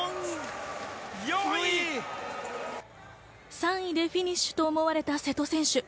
３位でフィニッシュと思われた瀬戸選手。